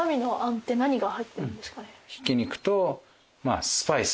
ひき肉とスパイス。